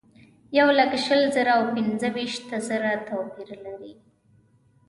یولک شل زره او پنځه ویشت زره توپیر لري.